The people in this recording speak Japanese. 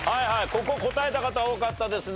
ここ答えた方多かったですね。